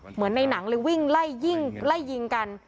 เหมือนในหนังเลยวิ่งไล่ยิงกัน